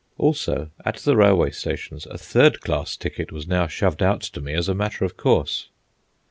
Also, at the railway stations, a third class ticket was now shoved out to me as a matter of course.